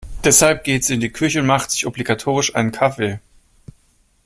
Deshalb geht sie in die Küche und macht sich obligatorisch einen Kaffee.